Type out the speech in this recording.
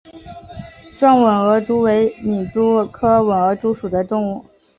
壮吻额蛛为皿蛛科吻额蛛属的动物。